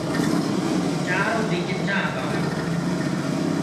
চারদিকে চা-বাগান।